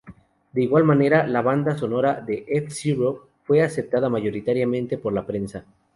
De igual manera, la banda sonora de "F-Zero" fue aceptada mayoritariamente por la prensa.